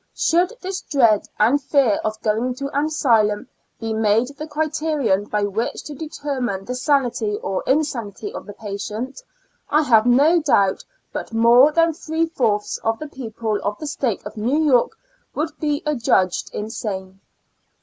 Should this dread and fear of going to an asylum be made the criterion by which to determine the sanity or insanity of the patient, I have no doubt but more than three fourths of the people of the State of New York would be adjudged insane.